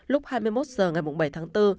lúc hai mươi một h ngày bảy tháng bốn